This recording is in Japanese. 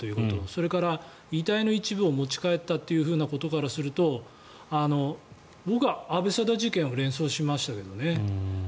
それから遺体の一部を持ち帰ったということからすると僕は阿部定事件を連想しましたけどね。